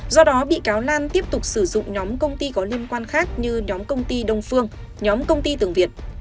do đó bị cáo lan tiếp tục sử dụng nhóm công ty có liên quan khác như nhóm công ty đông phương nhóm công ty tường việt